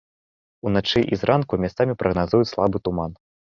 Уначы і зранку месцамі прагназуюць слабы туман.